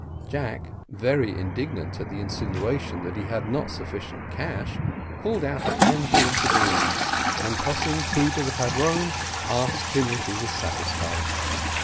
Jack, very indignant at the insinuation that he had not sufficient cash, pulled out a handful of doubloons, and tossing two to the padrone, asked him if he was satisfied.